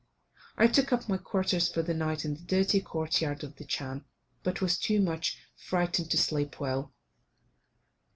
I took up my quarters for the night in the dirty court yard of the chan, but was too much frightened to sleep well.